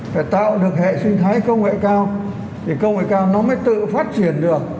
phải tạo được hệ sinh thái công nghệ cao thì công nghệ cao nó mới tự phát triển được